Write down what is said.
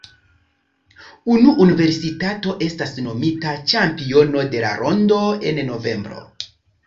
Unu universitato estas nomita ĉampiono de la rondo en novembro.